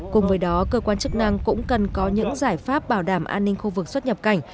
cùng với đó cơ quan chức năng cũng cần có những giải pháp bảo đảm an ninh khu vực xuất nhập cảnh